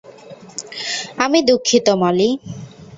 আমি দুঃখিত, মলি।